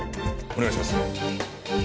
お願いします。